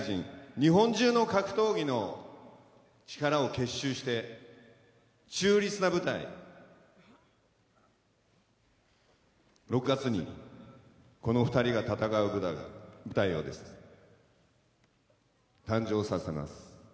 日本中の格闘技の力を結集して中立な舞台６月にこの２人が戦う舞台を誕生させます。